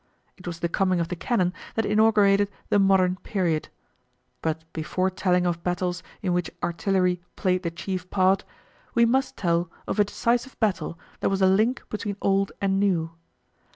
It was the coming of the cannon that inaugurated the modern period. But before telling of battles in which artillery played the chief part, we must tell of a decisive battle that was a link between old and new.